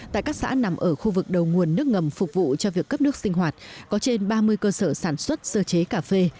tại các xã nằm ở khu vực đầu nguồn nước ngầm phục vụ cho việc cấp nước sinh hoạt có trên ba mươi cơ sở sản xuất sơ chế cà phê